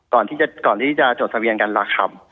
ก่อนที่จะจดทะเบียนกันราคา